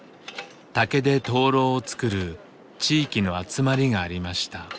竹で灯籠をつくる地域の集まりがありました。